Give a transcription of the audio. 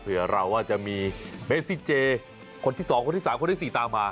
เผื่อเราจะมีเมสิเจคนที่สองคนที่สามคนที่สี่ตามมา